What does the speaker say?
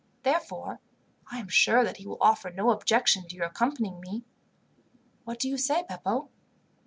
Therefore, I am sure that he will offer no objection to your accompanying me. "What do you say, Beppo?"